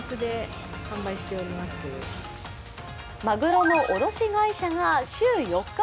まぐろの卸会社が週４日